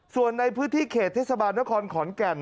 ส่วนในพื้นที่เขตเทศบาลนครขอนแก่น